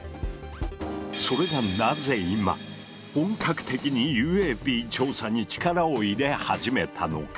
それがなぜ今本格的にＵＡＰ調査に力を入れ始めたのか？